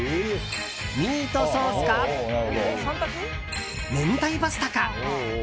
ミートソースか明太パスタか。